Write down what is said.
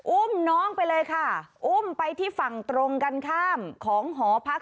อุ้มน้องไปเลยค่ะอุ้มไปที่ฝั่งตรงกันข้ามของหอพัก